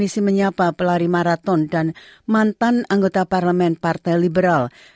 polisi menyapa pelari maraton dan mantan anggota parlemen partai liberal